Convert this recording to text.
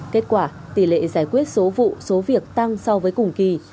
kết quả tỷ lệ giải quyết số vụ số việc tăng so với cùng kỳ